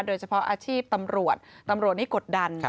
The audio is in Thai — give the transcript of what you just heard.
โดยเฉพาะอาชีพตำรวจตำรวจนี่กดดัน